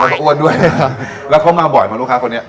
แล้วเค้าอ้วนด้วยแล้วเค้ามาบ่อยมั้ยลูกค้าคนนี้